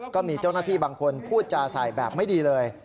ก็มีเจ้าหน้าที่บางคนพูดจาใส่แบบไม่ดีเลย